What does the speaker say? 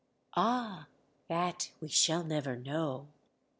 "Ah! that we shall never know.